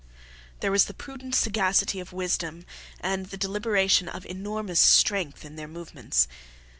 There was the prudent sagacity of wisdom and the deliberation of enormous strength in their movements.